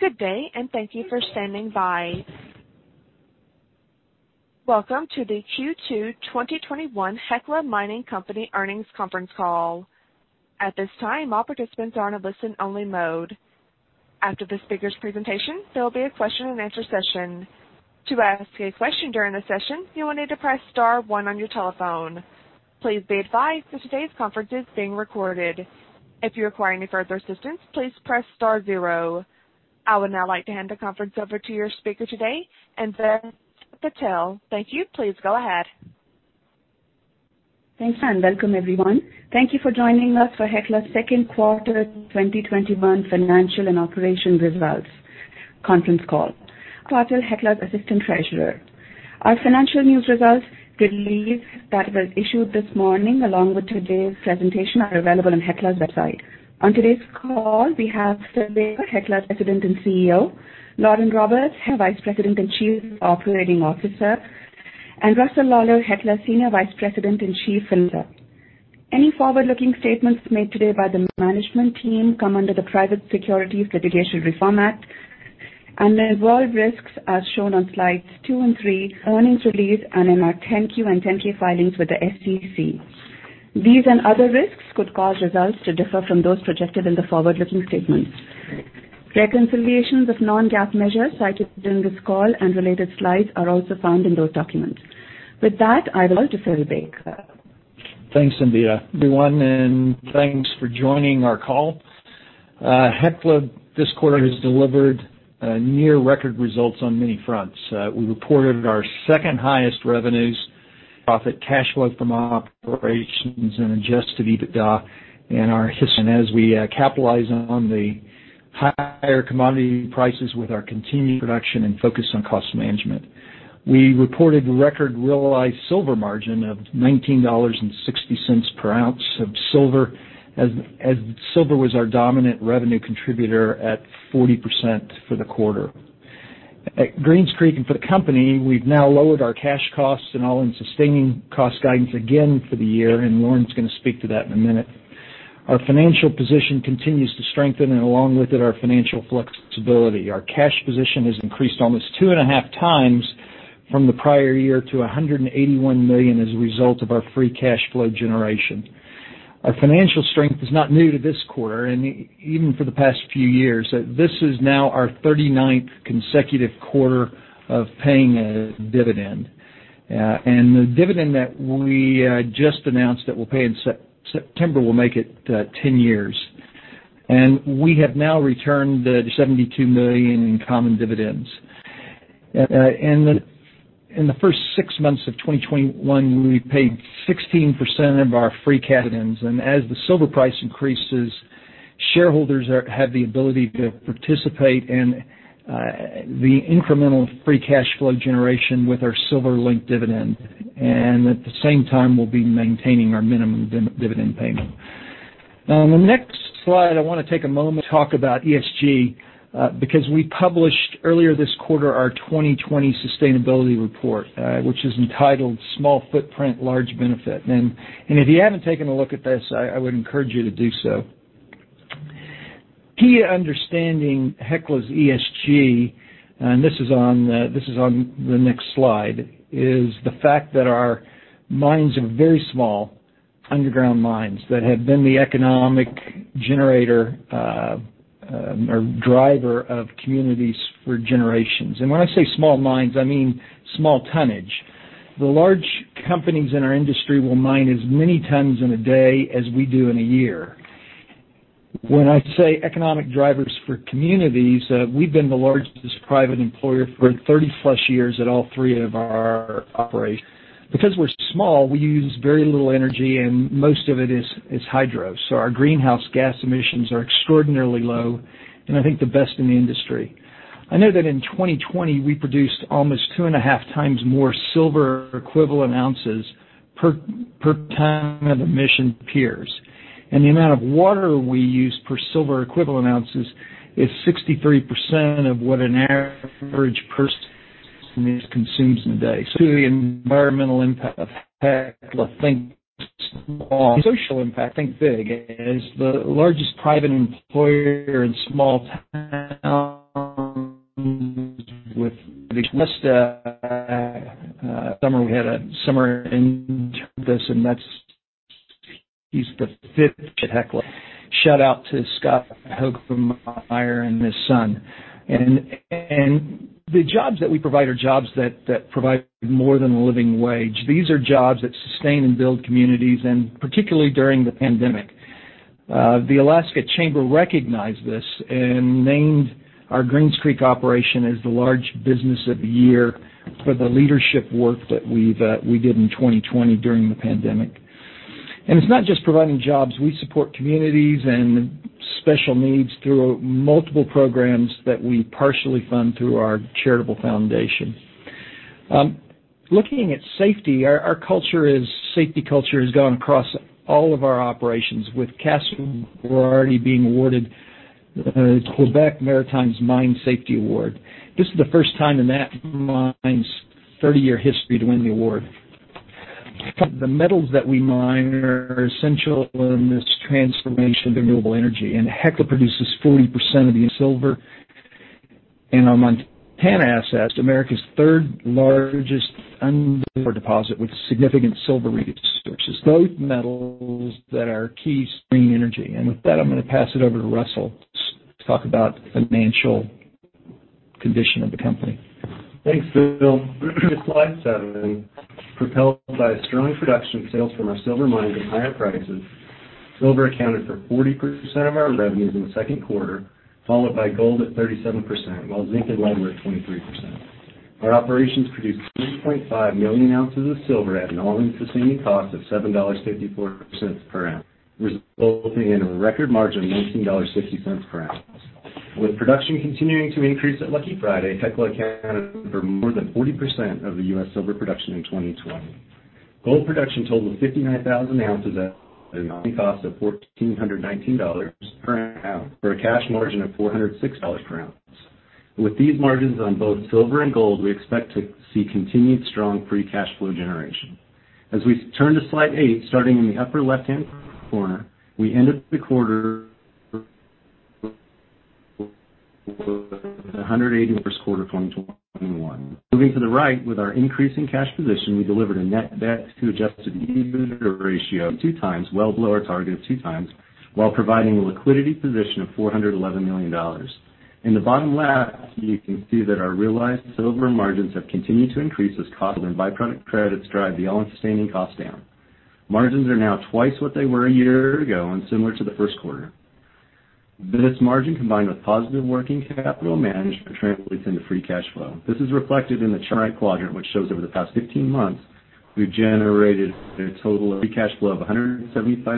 Good day, and thank you for standing by. Welcome to the Q2 2021 Hecla Mining Company earnings conference call. At this time, all participants are in a listen-only mode. After the speakers' presentation, there will be a question-and-answer session. To ask a question during the session, you will need to press star one on your telephone. Please be advised that today's conference is being recorded. If you require any further assistance, please press star zero. I would now like to hand the conference over to your speaker today, Anvita Patil. Thank you. Please go ahead. Thanks, welcome, everyone. Thank you for joining us for Hecla's second quarter 2021 financial and operations results conference call. Patil, Hecla's Assistant Treasurer. Our financial news results release that was issued this morning, along with today's presentation, are available on Hecla's website. On today's call, we have Phil Baker, Hecla President and CEO, Lauren Roberts, Senior Vice President and Chief Operating Officer, and Russell Lawlar, Hecla Senior Vice President and Chief Financial Officer. Any forward-looking statements made today by the management team come under the Private Securities Litigation Reform Act, the involved risks are shown on slides two and three, earnings release, and in our 10-Q and 10-K filings with the SEC. These other risks could cause results to differ from those projected in the forward-looking statements. Reconciliations of non-GAAP measures cited during this call and related slides are also found in those documents. With that, I will hand it to Phil Baker. Thanks, Anvita. Everyone, thanks for joining our call. Hecla this quarter has delivered near record results on many fronts. We reported our second highest revenues, profit, cash flow from operations and adjusted EBITDA in our history. As we capitalize on the higher commodity prices with our continued production and focus on cost management. We reported record realized silver margin of $19.60 per ounce of silver, as silver was our dominant revenue contributor at 40% for the quarter. At Greens Creek and for the company, we've now lowered our cash costs and all-in sustaining cost guidance again for the year, Lauren's going to speak to that in a minute. Our financial position continues to strengthen, along with it, our financial flexibility. Our cash position has increased almost 2.5x from the prior year to $181 million as a result of our free cash flow generation. Our financial strength is not new to this quarter, even for the past few years. This is now our 39th consecutive quarter of paying a dividend. The dividend that we just announced that we'll pay in September will make it 10 years. We have now returned $72 million in common dividends. In the first six months of 2021, we paid 16% of our free dividends. As the silver price increases, shareholders have the ability to participate in the incremental free cash flow generation with our silver-linked dividend. At the same time, we'll be maintaining our minimum dividend payment. On the next slide, I want to take a moment to talk about ESG, because we published earlier this quarter our 2020 sustainability report, which is entitled Small Footprint, Large Benefit. If you haven't taken a look at this, I would encourage you to do so. Key understanding Hecla's ESG, and this is on the next slide, is the fact that our mines are very small underground mines that have been the economic generator or driver of communities for generations. When I say small mines, I mean small tonnage. The large companies in our industry will mine as many tons in a day as we do in a year. When I say economic drivers for communities, we've been the largest private employer for 30+ years at all three of our operations. We're small, we use very little energy, and most of it is hydro. Our greenhouse gas emissions are extraordinarily low, and I think the best in the industry. I know that in 2020, we produced almost 2.5x more silver equivalent ounces per ton of emission than our peers. The amount of water we use per silver equivalent ounces is 63% of what an average person consumes in a day. The environmental impact of Hecla thinks small. The social impact thinks big as the largest private employer in small towns. Last summer we had a summer intern with us, and that's, he's the fifth at Hecla. Shout out to Scott Hoffmeyer and his son. The jobs that we provide are jobs that provide more than a living wage. These are jobs that sustain and build communities, and particularly during the pandemic. The Alaska Chamber recognized this and named our Greens Creek operation as the Large Business of the Year for the leadership work that we did in 2020 during the pandemic. It's not just providing jobs. We support communities and special needs through multiple programs that we partially fund through our charitable foundation. Looking at safety, our safety culture has gone across all of our operations with Casa Berardi already being awarded the Quebec Maritimes Mine Safety Award. This is the first time in that mine's 30-year history to win the award. The metals that we mine are essential in this transformation to renewable energy, and Hecla produces 40% of the silver in our Montana assets, America's third-largest undiscovered deposit with significant silver resources, both metals that are key to green energy. With that, I'm going to pass it over to Russell to talk about the financial condition of the company. Thanks, Phil. Slide seven. Propelled by a strong production of sales from our silver mines at higher prices, silver accounted for 40% of our revenues in the second quarter, followed by gold at 37%, while zinc and lead were at 23%. Our operations produced 3,500,000 oz Of silver at an all-in sustaining cost of $7.54 per ounce, resulting in a record margin of $19.60 per ounce. With production continuing to increase at Lucky Friday, Hecla accounted for more than 40% of the U.S. silver production in 2020. Gold production totaled 59,000 oz at an all-in cost of $1,419 per ounce, for a cash margin of $406 per ounce. With these margins on both silver and gold, we expect to see continued strong free cash flow generation. As we turn to slide eight, starting in the upper left-hand corner, we ended the quarter $180 first quarter 2021. Moving to the right, with our increasing cash position, we delivered a net debt to adjusted EBITDA ratio of 2x, well below our target of 2x, while providing a liquidity position of $411 million. In the bottom left, you can see that our realized silver margins have continued to increase as costs and byproduct credits drive the all-in sustaining cost down. Margins are now twice what they were a year ago and similar to the first quarter. This margin, combined with positive working capital management, translates into free cash flow. This is reflected in the chart quadrant, which shows over the past 15 months, we've generated a total of free cash flow of $175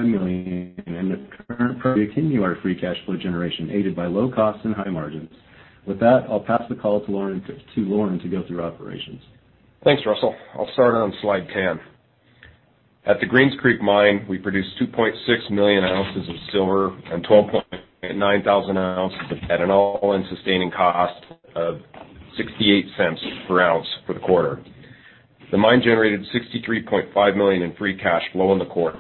million and currently continue our free cash flow generation, aided by low costs and high margins. With that, I'll pass the call to Lauren to go through operations. Thanks, Russell. I'll start on slide 10. At the Greens Creek mine, we produced 2,600,000 oz of silver and 12,900 oz at an all-in sustaining cost of $0.68 per ounce for the quarter. The mine generated $63.5 million in free cash flow in the quarter,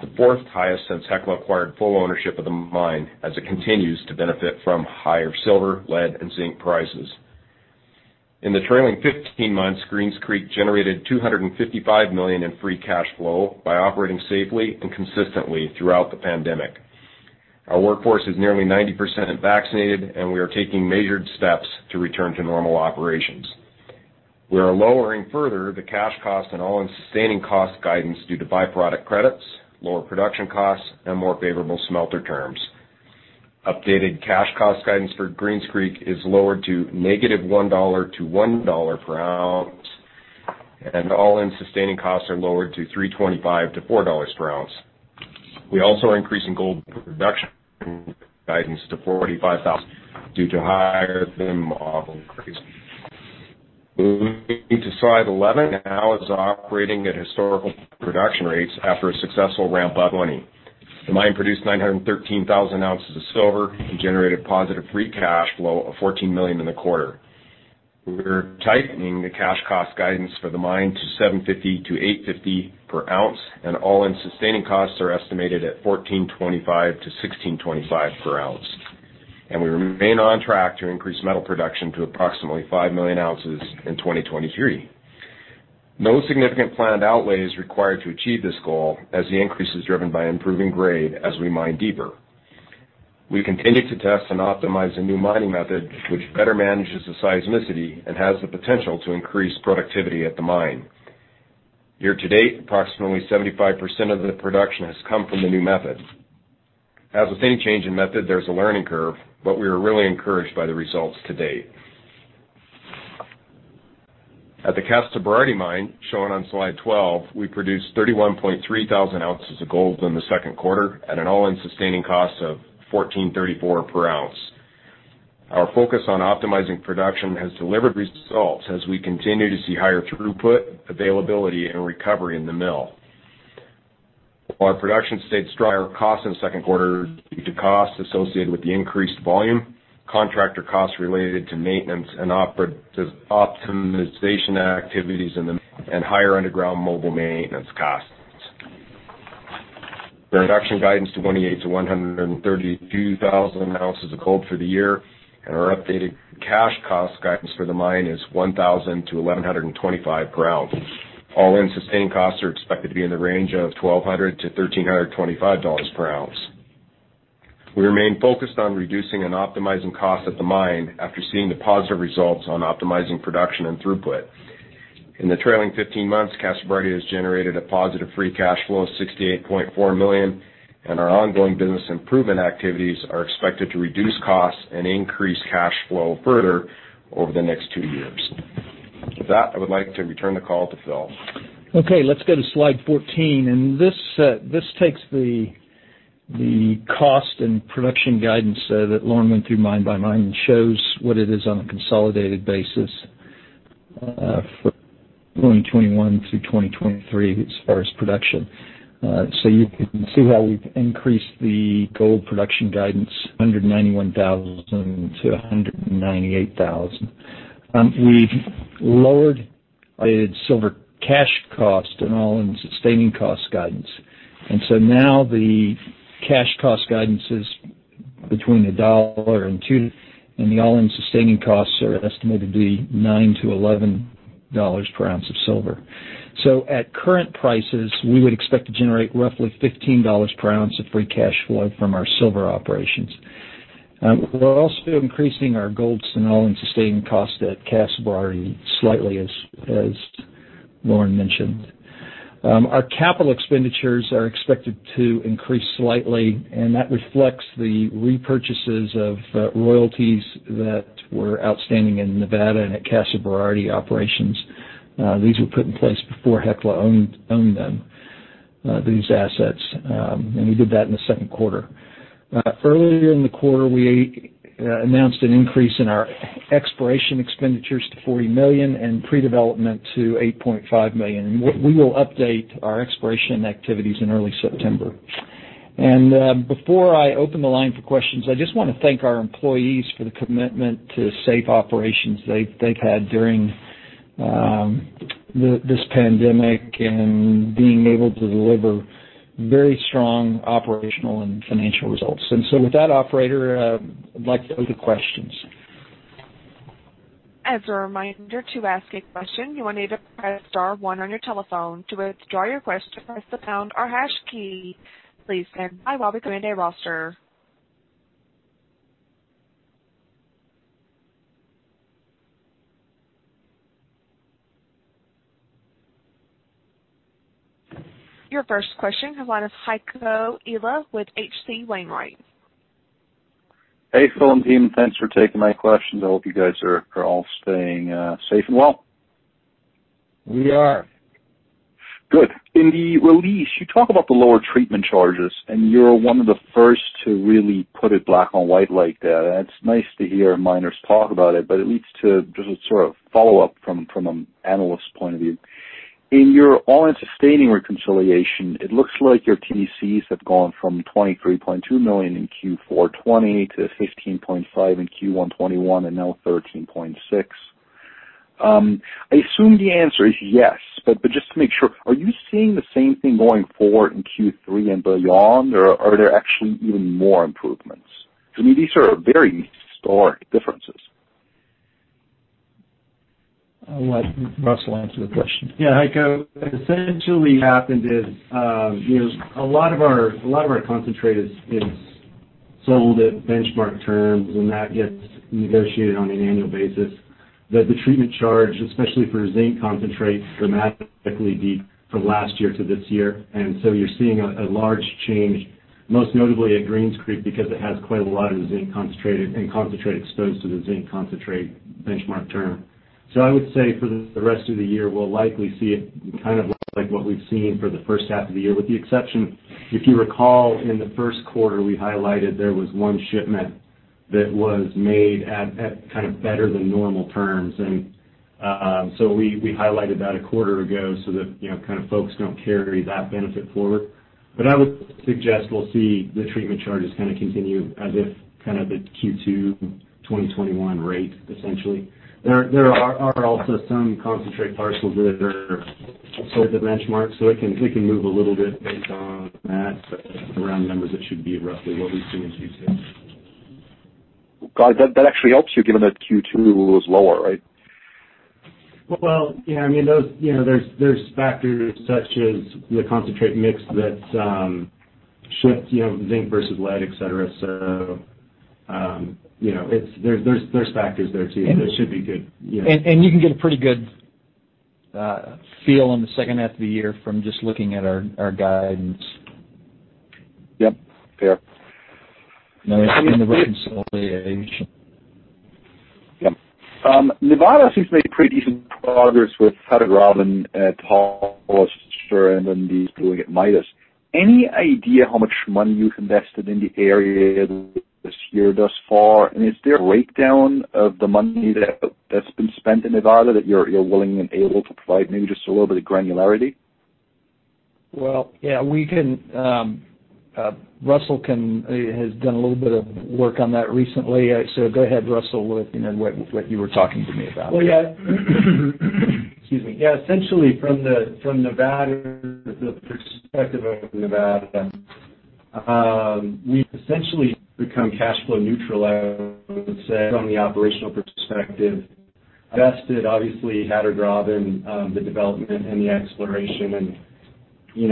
the fourth highest since Hecla acquired full ownership of the mine, as it continues to benefit from higher silver, lead, and zinc prices. In the trailing 15 months, Greens Creek generated $255 million in free cash flow by operating safely and consistently throughout the pandemic. Our workforce is nearly 90% vaccinated, and we are taking measured steps to return to normal operations. We are lowering further the cash cost and all-in sustaining cost guidance due to byproduct credits, lower production costs, and more favorable smelter terms. Updated cash cost guidance for Greens Creek is lowered to -$1 to $1 per ounce. All-in sustaining costs are lowered to $3.25-$4 per ounce. We also are increasing gold production guidance to 45,000 due to higher gram ore increased. Moving to slide 11, now it's operating at historical production rates after a successful ramp up in May. The mine produced 913,000 ounces of silver and generated positive free cash flow of $14 million in the quarter. We're tightening the cash cost guidance for the mine to $750-$850 per ounce. All-in sustaining costs are estimated at $1,425-$1,625 per ounce. We remain on track to increase metal production to approximately 5,000,000 oz in 2023. No significant planned outlay is required to achieve this goal, as the increase is driven by improving grade as we mine deeper. We continue to test and optimize a new mining method which better manages the seismicity and has the potential to increase productivity at the mine. Year to date, approximately 75% of the production has come from the new method. As with any change in method, there's a learning curve, but we are really encouraged by the results to date. At the Casa Berardi mine, shown on slide 12, we produced 31,300 oz of gold in the second quarter at an all-in sustaining cost of $1,434 per ounce. Our focus on optimizing production has delivered results as we continue to see higher throughput, availability, and recovery in the mill. While production stayed strong, costs in the second quarter due to costs associated with the increased volume, contractor costs related to maintenance and optimization activities, and higher underground mobile maintenance costs. Production guidance to 28,000 oz-132,000 oz of gold for the year, and our updated cash cost guidance for the mine is $1,000-$1,125 per ounce. All-in sustaining costs are expected to be in the range of $1,200-$1,325 per ounce. We remain focused on reducing and optimizing costs at the mine after seeing the positive results on optimizing production and throughput. In the trailing 15 months, Casa Berardi has generated a positive free cash flow of $68.4 million, and our ongoing business improvement activities are expected to reduce costs and increase cash flow further over the next two years. With that, I would like to return the call to Phil. Let's go to slide 14, and this takes the cost and production guidance that Lauren went through mine by mine and shows what it is on a consolidated basis for 2021 through 2023 as far as production. You can see how we've increased the gold production guidance, 191,000 to 198,000. We've lowered our silver cash cost and all-in sustaining cost guidance. Now the cash cost guidance is between $1-$2, and the all-in sustaining costs are estimated to be $9-$11 per ounce of silver. At current prices, we would expect to generate roughly $15 per ounce of free cash flow from our silver operations. We're also increasing our gold all-in sustaining cost at Casa Berardi slightly, as Lauren mentioned. Our capital expenditures are expected to increase slightly. That reflects the repurchases of royalties that were outstanding in Nevada and at Casa Berardi operations. These were put in place before Hecla owned them, these assets. We did that in the second quarter. Earlier in the quarter, we announced an increase in our exploration expenditures to $40 million and pre-development to $8.5 million. We will update our exploration activities in early September. Before I open the line for questions, I just want to thank our employees for the commitment to safe operations they've had during this pandemic and being able to deliver very strong operational and financial results. With that, operator, I'd like to go to questions. As a reminder, to ask a question, you will need to press star one on your telephone. To withdraw your question, press the pound or hash key. Please stand by while we go into roster. Your first question on the line is Heiko Ihle with H.C. Wainwright. Hey, Phil and team, thanks for taking my questions. I hope you guys are all staying safe and well. We are. Good. In the release, you talk about the lower treatment charges. You're one of the first to really put it black on white like that. It's nice to hear miners talk about it, but it leads to just a sort of follow-up from an analyst point of view. In your all-in sustaining reconciliation, it looks like your TCs have gone from $23.2 million in Q4 2020 to $15.5 in Q1 2021, and now $13.6. I assume the answer is yes, but just to make sure, are you seeing the same thing going forward in Q3 and beyond, or are there actually even more improvements? To me, these are very stark differences. I'll let Russell answer the question. Yeah, Heiko, what essentially happened is a lot of our concentrate is sold at benchmark terms, that gets negotiated on an annual basis, that the treatment charge, especially for zinc concentrate, dramatically from last year to this year. You're seeing a large change, most notably at Greens Creek, because it has quite a lot of zinc concentrate and concentrate exposed to the zinc concentrate benchmark term. I would say for the rest of the year, we'll likely see it kind of look like what we've seen for the first half of the year, with the exception, if you recall, in the first quarter, we highlighted there was one shipment that was made at kind of better than normal terms. We highlighted that a quarter ago so that folks don't carry that benefit forward. I would suggest we'll see the treatment charges kind of continue as if kind of the Q2 2021 rate, essentially. There are also some concentrate parcels that are outside the benchmark, so it can move a little bit based on that, but around the numbers, it should be roughly what we've seen in Q2. Got it. That actually helps you, given that Q2 was lower, right? Well, yeah. There's factors such as the concentrate mix that shifts zinc versus lead, et cetera. There's factors there too that should be good. You can get a pretty good feel in the second half of the year from just looking at our guidance. Yep. Fair. The reconciliation. Yep. Nevada seems to have made pretty decent progress with Hatter Graben at Hollister and then the drilling at Midas. Any idea how much money you've invested in the area this year thus far? Is there a breakdown of the money that's been spent in Nevada that you're willing and able to provide maybe just a little bit of granularity? Well, yeah. Russell has done a little bit of work on that recently. Go ahead, Russell, with what you were talking to me about. Yeah. Excuse me. Essentially from Nevada, the perspective of Nevada, we've essentially become cash flow neutral, I would say, from the operational perspective. Invested, obviously, Hatter Graben in the development and the exploration,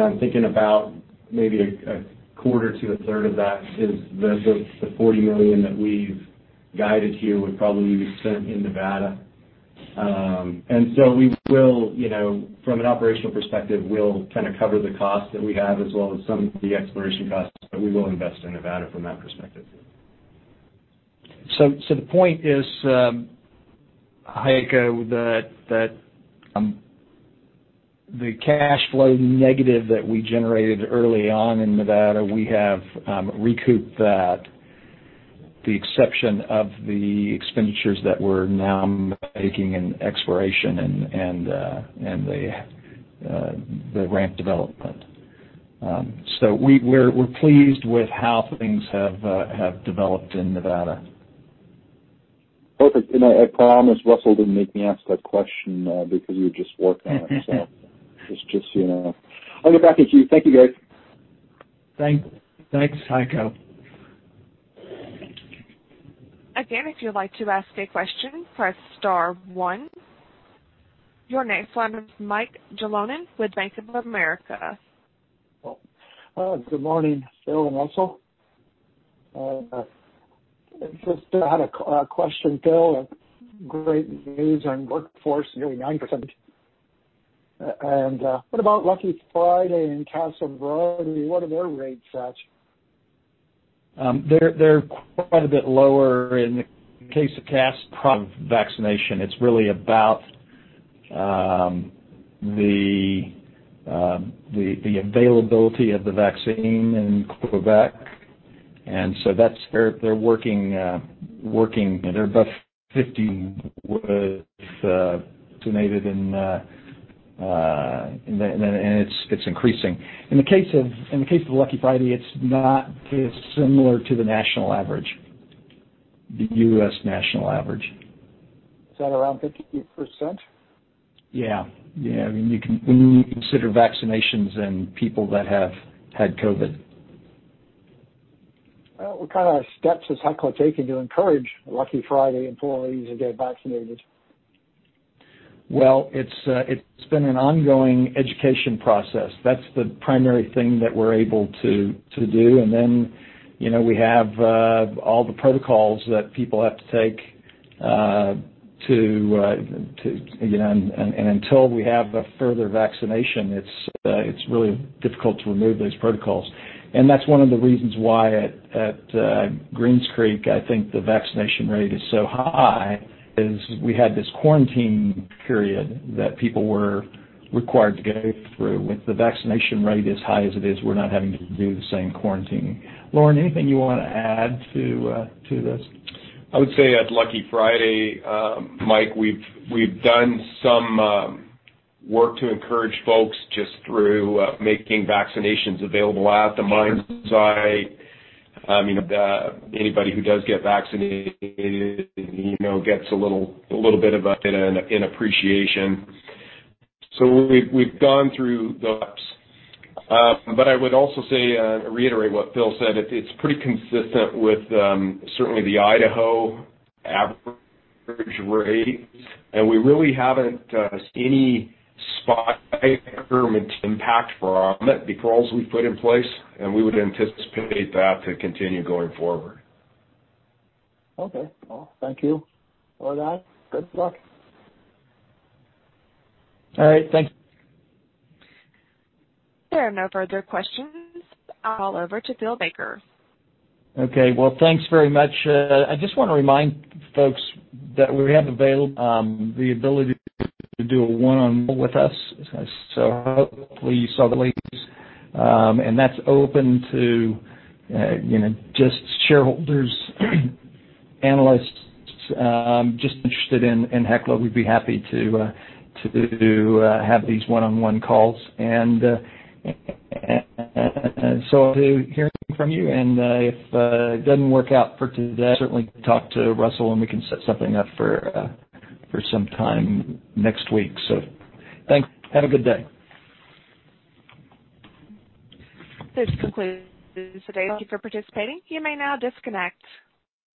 I'm thinking about maybe a quarter to a third of that is the $40 million that we've guided here would probably be spent in Nevada. From an operational perspective, we'll kind of cover the costs that we have as well as some of the exploration costs, we will invest in Nevada from that perspective. The point is, Heiko, that the cash flow negative that we generated early on in Nevada, we have recouped that, with the exception of the expenditures that we're now making in exploration and the ramp development. We're pleased with how things have developed in Nevada. Perfect. I promise Russell didn't make me ask that question because you were just working on it. It's just so you know. I'll get back to you. Thank you, guys. Thanks, Heiko. If you'd like to ask a question, press star one. Your next line is Mike Jalonen with Bank of America. Well, good morning, Phil and Russell. I just had a question, Phil. Great news on workforce, nearly 9%. What about Lucky Friday and Casa Berardi? What are their rates at? They're quite a bit lower. In the case of Casa Berardi mine vaccination, it's really about the availability of the vaccine in Quebec. They're working. Above 50 was vaccinated, and it's increasing. In the case of Lucky Friday, it's similar to the national average, the U.S. national average. Is that around 50%? Yeah. When you consider vaccinations and people that have had COVID. Well, what kind of steps has Hecla taken to encourage Lucky Friday employees to get vaccinated? It's been an ongoing education process. That's the primary thing that we're able to do. We have all the protocols that people have to take. Until we have a further vaccination, it's really difficult to remove those protocols. That's one of the reasons why at Greens Creek, I think the vaccination rate is so high, is we had this quarantine period that people were required to go through. With the vaccination rate as high as it is, we're not having to do the same quarantine. Lauren, anything you want to add to this? I would say at Lucky Friday, Mike, we've done some work to encourage folks just through making vaccinations available at the mine site. Anybody who does get vaccinated gets a little bit of a gift in appreciation. We've gone through the ups. I would also say, reiterate what Phil said, it's pretty consistent with certainly the Idaho average rates, and we really haven't seen any spike or impact from it because we put in place, and we would anticipate that to continue going forward. Okay. Well, thank you for that. Good luck. All right. Thank you. There are no further questions. I'll hand over to Phil Baker. Okay. Well, thanks very much. I just want to remind folks that we have available the ability to do a one-on-one with us. Hopefully you saw the links. That's open to just shareholders, analysts, just interested in Hecla. We'd be happy to have these one-on-one calls. I look forward to hearing from you. If it doesn't work out for today, certainly talk to Russell, and we can set something up for some time next week. Thanks. Have a good day. This concludes today. Thank you for participating. You may now disconnect.